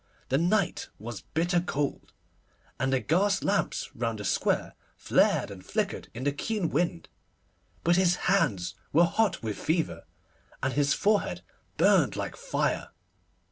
The night was bitter cold, and the gas lamps round the square flared and flickered in the keen wind; but his hands were hot with fever, and his forehead burned like fire.